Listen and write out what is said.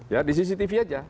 ya di cctv aja